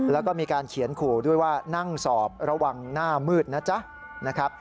แล้วก็มีการเขียนขู่ด้วยว่านั่งสอบระวังหน้ามืดนะจ๊ะนะครับ